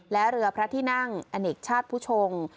และเรือพระที่นั่งอเนกชาติผู้ชง